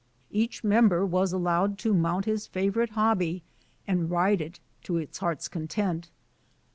Each member was allowed to mount his favorite hobby and ride it to his heart's content.